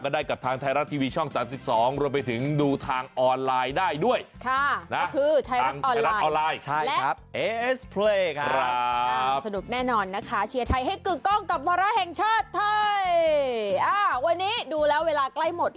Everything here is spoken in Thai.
ออกใจมากครับคุณผู้ชม